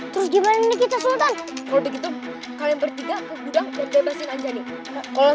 tergimbal ini kita sultan kalau begitu kalian bertiga kegugang dan bebasin aja nih kalau